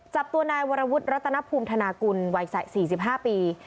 จับตัวนายวรวุฒิรัตนภูมิธนากุลวัย๔๕ปี